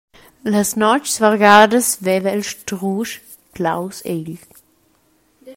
Las notgs vargadas veva el strusch claus egl.